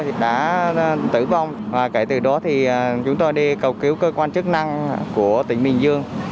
thì đã tử vong và kể từ đó thì chúng tôi đi cầu cứu cơ quan chức năng của tỉnh bình dương